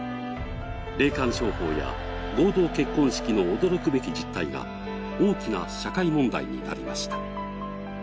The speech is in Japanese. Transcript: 霊感商法や合同結婚式の驚くべき実態が大きな社会問題になりました。